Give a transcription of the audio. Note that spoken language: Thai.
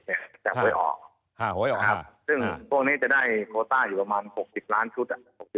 จากหวยออกซึ่งพวกนี้จะได้โคต้าอยู่ประมาณ๖๐ล้านชุด